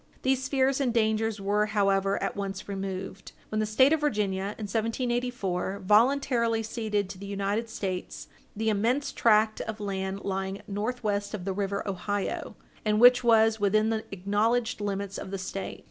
These fears and dangers were, however, at once removed, when the State of Virginia, in 1784, voluntarily ceded to the United States the immense tract of country lying northwest of the river Ohio, and which was within the acknowledged limits of the State.